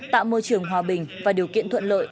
tạo môi trường hòa bình và điều kiện thuận lợi